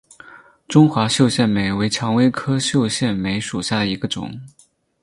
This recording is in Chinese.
中华绣线梅为蔷薇科绣线梅属下的一个种。